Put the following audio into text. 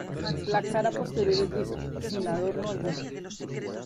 La cara posterior es lisa, sin adorno alguno.